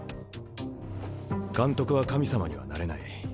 監督は神様にはなれない。